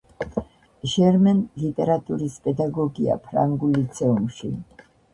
ჟერმენ ლიტერატურის პედაგოგია ფრანგულ ლიცეუმში.